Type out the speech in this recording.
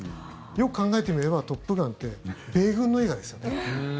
よく考えてみれば「トップガン」って米軍の映画ですよね。